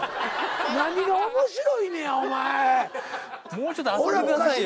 もうちょっと遊んでくださいよ。